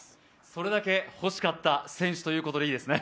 それだけ欲しかった選手ということでいいですね？